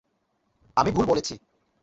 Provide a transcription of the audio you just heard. আমি ভুল বলেছি।